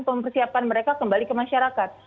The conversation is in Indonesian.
mempersiapkan mereka kembali ke masyarakat